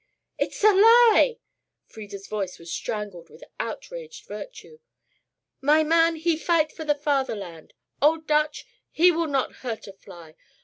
"It is a lie!" Frieda's voice was strangled with outraged virtue. "My man, he fight for the fatherland. Old Dutch, he will not hurt a fly.